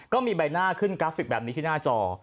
ก็มีใบหน้าขึ้นกราฟิกแบบนี้ที่หน้าจอ